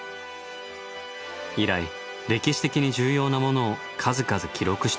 以来歴史的に重要なものを数々記録してきました。